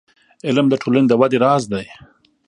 • علم، د ټولنې د ودې راز دی.